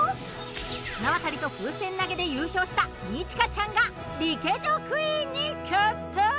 綱渡りと風船投げで優勝した二千翔ちゃんがリケジョ・クイーンに決定！